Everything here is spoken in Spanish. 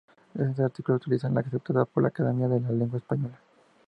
En este artículo se utilizará la aceptada por la Academia de la Lengua Española.